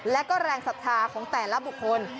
และก็แรงศรัทธาของแต่ละบุคคล